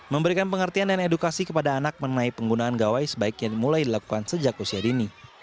memberikan pengertian dan edukasi kepada anak mengenai penggunaan gawai sebaiknya mulai dilakukan sejak usia dini